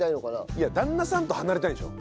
いや旦那さんと離れたいんでしょ。